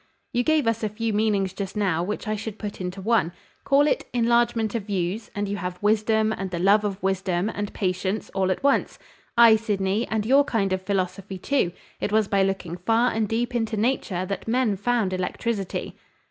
"You gave us a few meanings just now, which I should put into one. Call it enlargement of views, and you have wisdom, and the love of wisdom, and patience, all at once: ay, Sydney, and your kind of philosophy too: It was by looking far and deep into nature that men found electricity."